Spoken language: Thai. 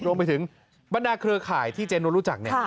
รวมไปถึงบรรดาเครือข่ายที่เจนุสรู้จักเนี่ย